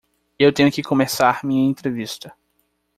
Eu tenho que começar minha entrevista.